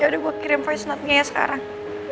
yaudah gua kirim voice note nya ya sekarang